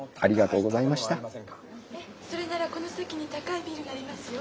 それならこの先に高いビルがありますよ。